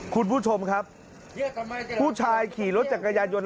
คุณผู้ชมครับผู้ชายขี่รถจักรยานยนต์